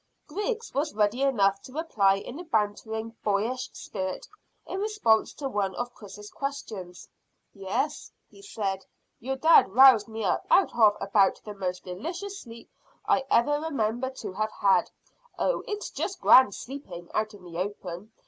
Griggs was ready enough to reply in a bantering, boyish spirit in response to one of Chris's questions. "Yes," he said; "your dad roused me up out of about the most delicious sleep I ever remember to have had. Oh, it's just grand sleeping out in the open.